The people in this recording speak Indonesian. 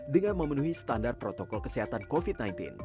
dengan memenuhi standar protokol kesehatan covid sembilan belas